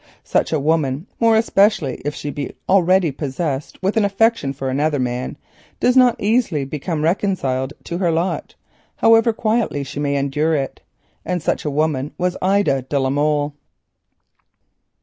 Such a woman, more especially if she is already possessed with an affection for another man, does not easily become reconciled to a distasteful lot, however quietly she may endure it, and such a woman was Ida de la Molle.